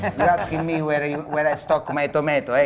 kau tanya aku dimana aku membeli tomatku mau lihat